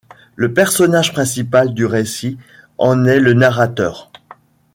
Le personnage principal du récit en est le narrateur.